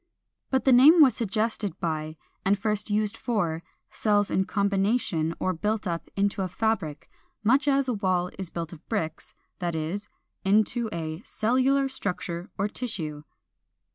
But the name was suggested by, and first used only for, cells in combination or built up into a fabric, much as a wall is built of bricks, that is, into a 401. =Cellular Structure or Tissue.